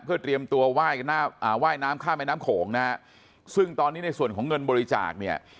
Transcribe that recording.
เพื่อเตรียมตัวไหว้น้ำข้ามแม่น้ำโขงนะฮะซึ่งตอนนี้ในส่วนของเงินบริจาคเนี่ย